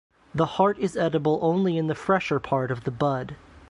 The heart is edible only in the fresher part of the bud.